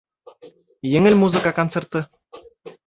Еңел музыка концерты